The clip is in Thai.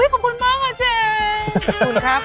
ขอบคุณมากครับเชฟ